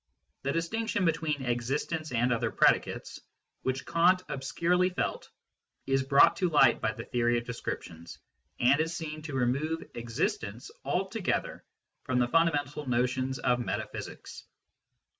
The distinction between existence and other predicates, which Kant obscurely felt, is brought to light by the theory of descriptions, and is seen to remove " existence " altogether from the fundamental notions of metaphysics.